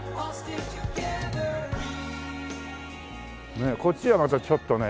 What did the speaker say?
ねえこっちはまたちょっとね。